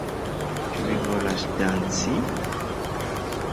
Ĉu vi volas danci?